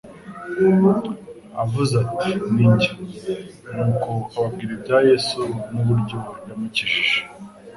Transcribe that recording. avuze ati : Ni njye. Nuko ababwira ibya Yesu n'uburyo yamukijije.